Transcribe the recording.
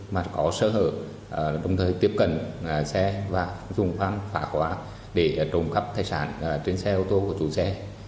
mà có sơ hở đồng thời tiếp cận xe và dùng pháp phá hóa để trồng khắp thai sản trên xe ô tô của chủ xe